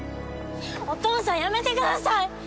お父さんやめてください。